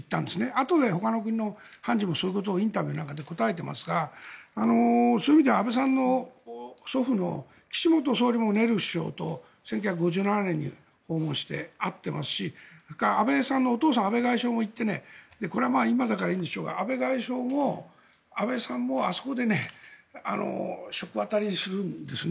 あとでほかの国の判事もインタビューの中で答えていますがそういう意味では安倍さんの祖父の岸元総理もネル首相と１９５７年に訪問して会っていますし安倍さんのお父さん安倍外相も行ってこれは今だから言えるんでしょうが安倍外相もあそこで食あたりするんですね。